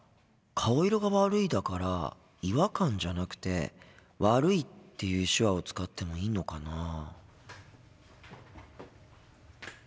「顔色が悪い」だから「違和感」じゃなくて「悪い」っていう手話を使ってもいいのかな？